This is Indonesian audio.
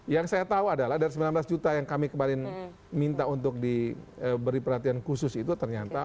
yang saya tahu adalah dari sembilan belas juta yang kami kemarin minta untuk diberi perhatian khusus itu ternyata